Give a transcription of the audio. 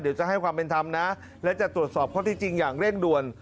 เดี๋ยวจะให้ความเป็นธรรมนะและจะตรวจสอบข้อที่จริงอย่างเร่งด่วน